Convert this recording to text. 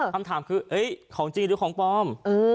คำถามคือของจริงหรือของปลอม